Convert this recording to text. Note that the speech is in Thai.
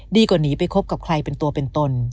ดีกว่านี้ไปคบกับใครเป็นตัวเป็นตน